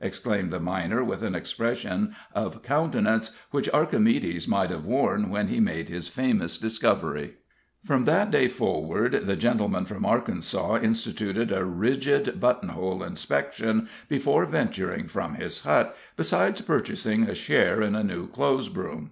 exclaimed the miner, with an expression of countenance which Archimedes might have worn when he made his famous discovery. From that day forward the gentleman from Arkansas instituted a rigid buttonhole inspection before venturing from his hut, besides purchasing a share in a new clothesbroom.